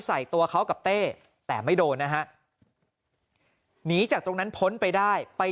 ใส่ตัวเขากับเต้แต่ไม่โดนนะฮะหนีจากตรงนั้นพ้นไปได้ไป